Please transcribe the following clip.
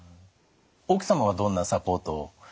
奥様はどんなサポートを？